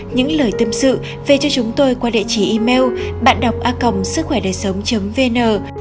những lời tâm sự về cho chúng tôi qua địa chỉ email bạnđọcacom vn